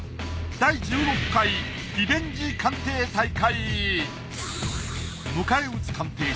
第１６回リベンジ鑑定大会！